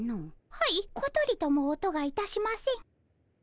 はいことりとも音がいたしません。